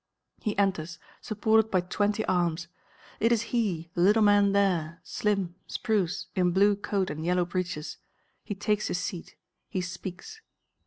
He enters, supported by twenty arms. It is he, the little man there, slim, spruce, in blue coat and yellow breeches. He takes his seat; he speaks.